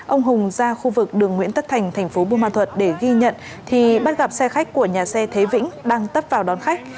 ông hùng ra khu vực đường nguyễn tất thành thành phố buôn ma thuật để ghi nhận thì bắt gặp xe khách của nhà xe thế vĩnh đang tấp vào đón khách